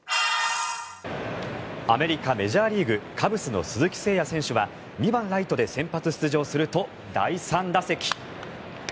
アメリカ・メジャーリーグカブスの鈴木誠也選手は２番ライトで先発出場すると第３打席。